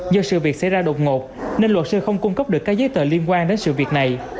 do sự việc xảy ra đột ngột nên luật sư không cung cấp được các giấy tờ liên quan đến sự việc này